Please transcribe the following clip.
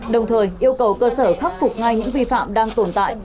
đồng thời yêu cầu cơ sở khắc phục ngay những vi phạm đang tồn tại